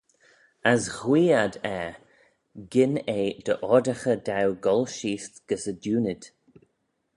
As ghuee ad er gyn eh dy oardaghey daue goll sheese gys y diunid.